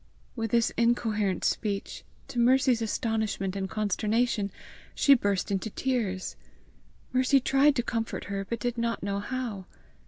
With this incoherent speech, to Mercy's astonishment and consternation she burst into tears. Mercy tried to comfort her, but did not know how.